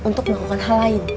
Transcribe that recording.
untuk melakukan hal lain